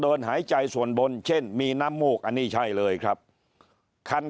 หายใจส่วนบนเช่นมีน้ำมูกอันนี้ใช่เลยครับคัน